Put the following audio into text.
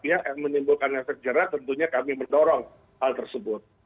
yang menimbulkan efek jerah tentunya kami mendorong hal tersebut